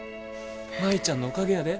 舞ちゃんのおかげやで。